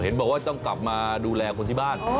บอกว่าต้องกลับมาดูแลคนที่บ้าน